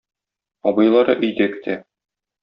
Абыйлары өйдә көтә.